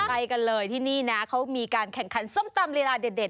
ไปกันเลยที่นี่นะเขามีการแข่งขันส้มตำลีลาเด็ด